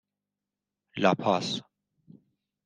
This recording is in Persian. لاپاز